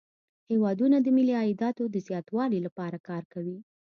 هیوادونه د ملي عایداتو د زیاتوالي لپاره کار کوي